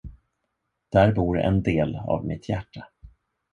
Där bor en del av mitt hjärta.